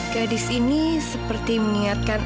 gadis ini seperti mengingatkan